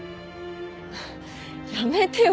やめてよ